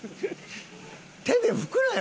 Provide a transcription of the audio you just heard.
手で拭くなよ